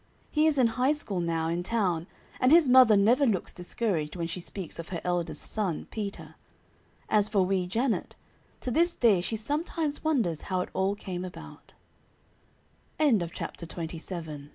He is in high school now, in town, and his mother never looks discouraged when she speaks of her eldest son, Peter. As for Wee Janet, to this day she sometimes wonders how it all came about.